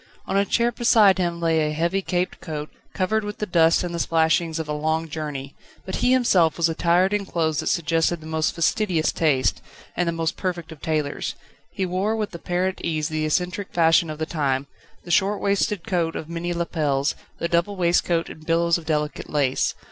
On a chair beside him lay a heavy caped coat, covered with the dust and the splashings of a long journey, but he himself was attired in clothes that suggested the most fastidious taste, and the most perfect of tailors; he wore with apparent ease the eccentric fashion of the time, the short waisted coat of many lapels, the double waistcoat and billows of delicate lace.